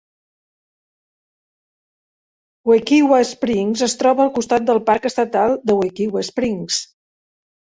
Wekiwa Springs es troba al costat del parc estatal de Wekiwa Springs.